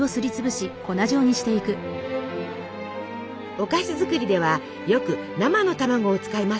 お菓子作りではよく生の卵を使いますよね。